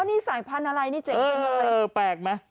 อ้อนี่สายพันธุ์อะไรนี่เจ๋งนี่เออเออเออแปลกไหม